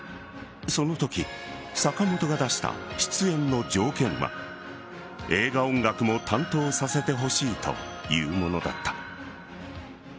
そのとき、坂本が出した出演の条件は映画音楽も担当させてほしいというものだった。